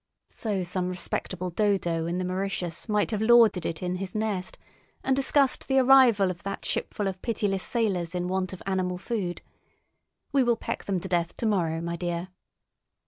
So some respectable dodo in the Mauritius might have lorded it in his nest, and discussed the arrival of that shipful of pitiless sailors in want of animal food. "We will peck them to death tomorrow, my dear."